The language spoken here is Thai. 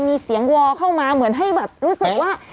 มีเสียงวอเข้ามาเหมือนให้แบบรู้สึกว่า